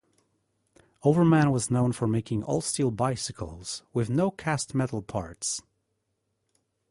Overman was known for making all-steel bicycles with no cast metal parts.